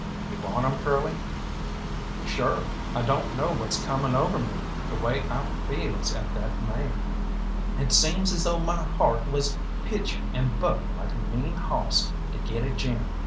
You want him, Curly?" "Sure, I don't know what's coming over me the way I feels at that man. It seems as though my heart was pitchin' and buckin' like a mean hawss to get at Jim.